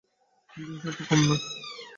কিন্তু হিসাব তো কম নয়?